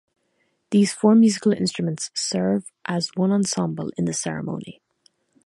These four musical instruments serve as one ensemble in the ceremony.